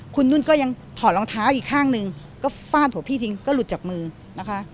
คุณนุ่นก็ยังถอดรองเท้าอีกข้างหนึ่งก็ฟาดหัวพี่จริงก็หลุดจากมือนะคะ